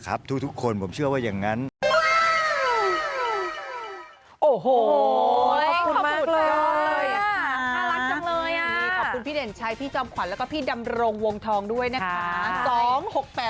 ขอบคุณพี่เด่นชัยพี่จอมขวัญแล้วก็พี่ดำรงวงทองด้วยนะคะ